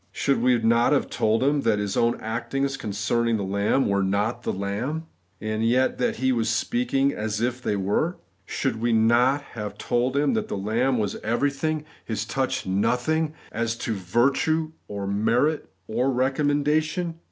Should we not have told him that his own actings concern ing the lamb were not the lamb, and yet that he was speaking as if they were ? Should we not have told him that the lamb was everything, his touch nothing, as to virtue or merit or recommendation